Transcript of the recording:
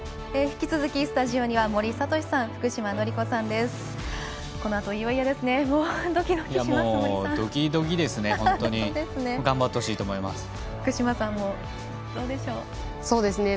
引き続きスタジオには森敏さん福島のり子さんです。